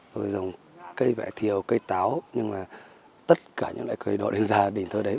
rồi dòng cây vải thiều cây táo nhưng mà tất cả những loại cây đó đến gia đình thôi đấy